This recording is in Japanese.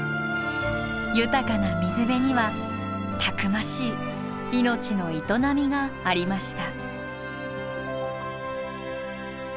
豊かな水辺にはたくましい命の営みがありました。